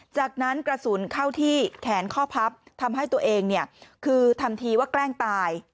จากนั้นกระสุนเข้าที่แขนข้อพับทำให้ตัวเองคือทำทีว่าแกล้งตาย